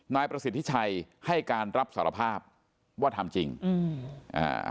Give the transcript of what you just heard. นายประสิทธิชัยให้การรับสารภาพว่าทำจริงอืมอ่า